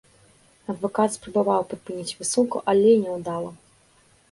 Адвакат спрабаваў прыпыніць высылку, але няўдала.